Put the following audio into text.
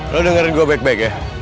lo dengerin gue baik baik ya